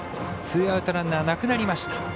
ツーアウトランナーなくなりました。